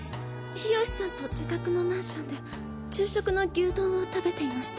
浩さんと自宅のマンションで昼食の牛丼を食べていました。